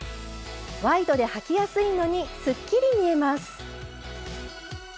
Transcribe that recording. ワイドではきやすいのにすっきり見えます。